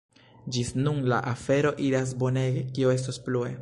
Ĝis nun la afero iras bonege, kio estos plue?